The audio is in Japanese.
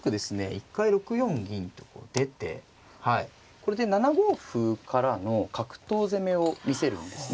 一回６四銀と出てこれで７五歩からの角頭攻めを見せるんですね。